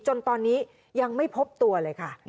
จนตอนนี้ยังไม่พบตัวเลยค่ะ